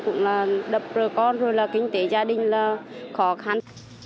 cũng là đập vợ con rồi là kinh tế gia đình là khó khăn